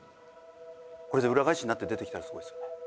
これで裏返しになって出てきたらすごいですよね。